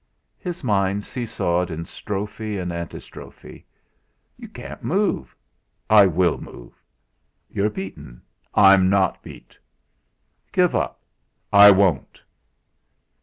His mind see sawed in strophe and antistrophe: "You can't move!" "I will move!" "You're beaten" "I'm not beat." "Give up" "I won't."